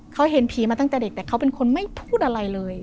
เขาเห็นผีมาตั้งแต่เด็กแต่เขาเป็นคนไม่พูดอะไรเลย